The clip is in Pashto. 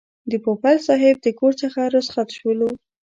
د پوپل صاحب د کور څخه رخصت شولو.